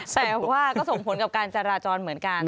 แต่ว่าก็ส่งผลกับการจราจรเหมือนกัน